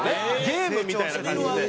ゲームみたいな感じで。